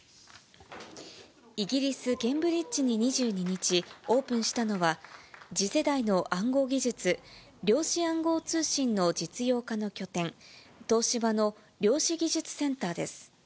イギリス・ケンブリッジに２２日、オープンしたのは、次世代の暗号技術、量子暗号通信の実用化の拠点、東芝の量子技術センターです。